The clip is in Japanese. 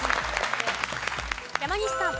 山西さん。